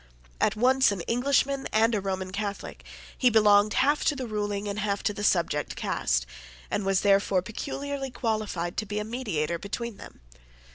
At once an Englishman and a Roman Catholic, he belonged half to the ruling and half to the subject caste, and was therefore peculiarly qualified to be a mediator between them.